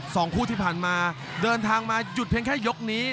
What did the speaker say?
สองคู่ที่ผ่านมาเดินทางมาหยุดเพียงแค่ยกนี้